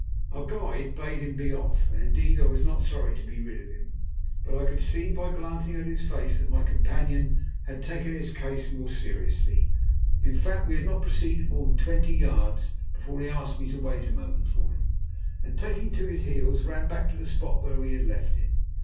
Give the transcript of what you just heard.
Our guide bade him be off, and indeed I was not sorry to be rid of him, but I could see, by glancing at his face, that my companion had taken his case more seriously. In fact, we had not proceeded more than twenty yards before he asked me to wait a moment for him, and taking to his heels ran back to the spot where we had left him.